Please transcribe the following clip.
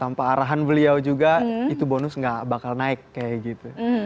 karena kalau tanpa arahan beliau juga itu bonus gak bakal naik kayak gitu